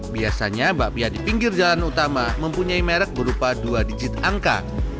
biasanya bakpia di pinggir jalan utama mempunyai merek berupa dua digit angka